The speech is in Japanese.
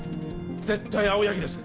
絶対青柳です